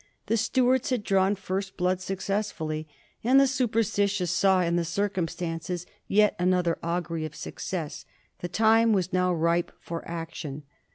The Stuarts had drawn first blood successfully, and the superstitious saw in the circumstance yet another augury of success. The time was now ripe for action.